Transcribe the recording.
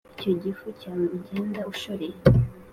Icyo gifu cyawe ugenda ushoreye